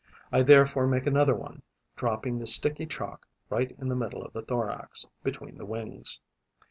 I therefore make another one, dropping the sticky chalk right in the middle of the thorax, between the wings.